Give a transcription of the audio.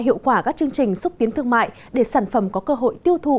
hiệu quả các chương trình xúc tiến thương mại để sản phẩm có cơ hội tiêu thụ